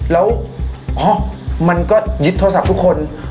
แล้วอ๋อมันก็ยึดโทรศัพท์ทุกคน